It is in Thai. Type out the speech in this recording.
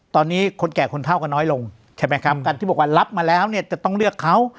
ตอนนี้คนแก่คนเท่าก็น้อยลงใช่ไหมครับการที่บอกว่ารับมาแล้วเนี่ยจะต้องเลือกเขา